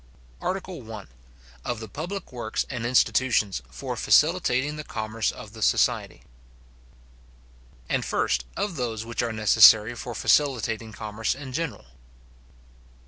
ARTICLE I.—Of the public Works and Institutions for facilitating the Commerce of the Society. And, first, of those which are necessary for facilitating Commerce in general.